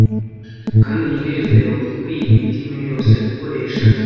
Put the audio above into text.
Kandi umunezero ukwiye imitima yose gukoresha